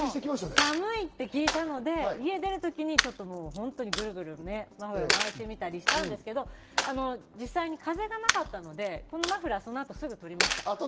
寒いって聞いたので家を出るときにぐるぐるマフラーを巻いてみたりしたんですけど、実際には風がなかったので、このマフラーはすぐ取りました。